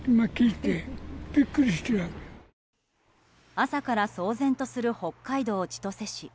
朝から騒然とする北海道千歳市。